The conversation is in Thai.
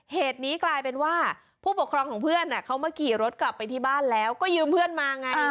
เหตุนี้กลายเป็นว่าผู้ปกครองของเพื่อนเขามาขี่รถกลับไปที่บ้านแล้วก็ยืมเพื่อนมาไง